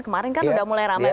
kemarin kan udah mulai ramai